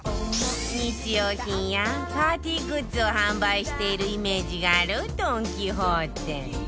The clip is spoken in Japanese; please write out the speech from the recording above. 日用品やパーティーグッズを販売しているイメージがあるドン・キホーテ